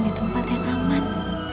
di tempat yang aman